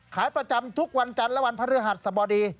ขายประจำทุกวันจันทร์และวันพระฤหัสสบดี